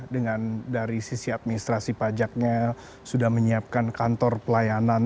dengan dari sisi administrasi pajaknya sudah menyiapkan kantor pelayanan